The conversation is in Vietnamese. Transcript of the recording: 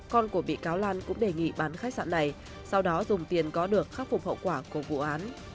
con của bị cáo lan cũng đề nghị bán khách sạn này sau đó dùng tiền có được khắc phục hậu quả của vụ án